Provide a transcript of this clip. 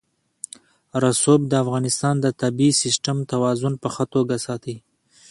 رسوب د افغانستان د طبعي سیسټم توازن په ښه توګه ساتي.